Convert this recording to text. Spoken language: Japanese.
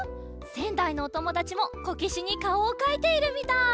せんだいのおともだちもこけしにかおをかいているみたい！